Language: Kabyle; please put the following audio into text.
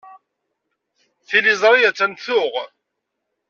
Tiliẓri attan tuɣ.